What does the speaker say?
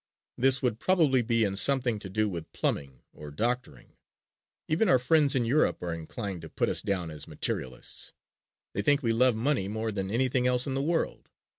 This would probably be in something to do with plumbing or doctoring. Even our friends in Europe are inclined to put us down as materialists. They think we love money more than anything else in the world.